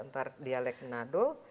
ntar dialek nado